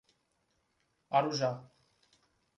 Arujá